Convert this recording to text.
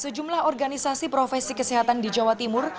sejumlah organisasi profesi kesehatan di jawa timur